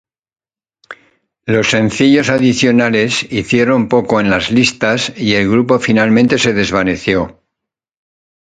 Los sencillos adicionales hicieron poco en las listas, y el grupo finalmente se desvaneció.